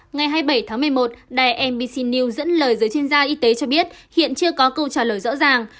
ngày hai mươi bảy tháng một mươi một đài mbc news dẫn lời giới chuyên gia y tế cho biết hiện chưa có câu trả lời rõ ràng